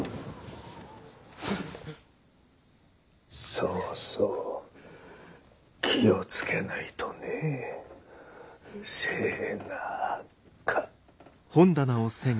そうそう気をつけないとねぇせ・な・か。